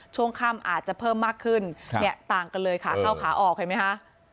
ช่วงค่ำอาจจะเพิ่มมากขึ้นต่างกันเลยขาเข้าขาออกเห็นไหมคะ